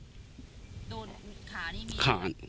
ดูขานี่มีอะไร